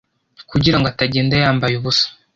kugira ngo atagenda yambaye ubusa